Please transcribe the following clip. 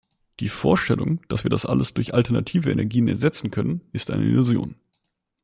Die Vorstellung, dass wir das alles durch alternative Energien ersetzen können, ist eine Illusion.